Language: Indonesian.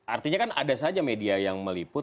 artinya kan ada saja media yang meliput